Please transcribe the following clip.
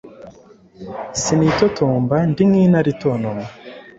Si nitotomba ndi nk'intare itontoma